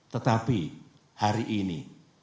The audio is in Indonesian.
tetapi hari ini